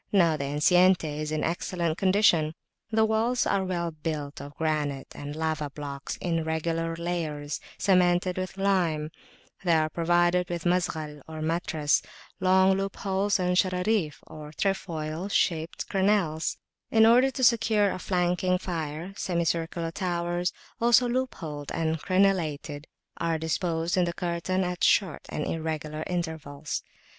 Now, the enceinte is in excellent condition. The walls are well built of granite and lava blocks, in regular layers, cemented with lime; they are provided with "Mazghal" (or "Matras") long loopholes, and "Shararif" or trefoil shaped crenelles: in order to secure a flanking fire, semicircular towers, also loopholed and crenellated, are disposed in the curtain at short and irregular intervals.